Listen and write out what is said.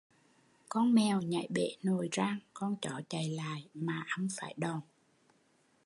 Con mèo nhảy bể nồi rang; con chó chạy lại, mà ăn phải đòn